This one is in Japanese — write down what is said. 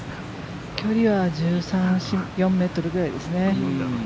距離は１３４メートルぐらいですね。